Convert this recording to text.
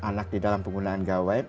anak di dalam penggunaan gawai